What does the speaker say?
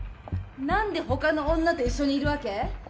なんでほかの女と一緒にいるわけ？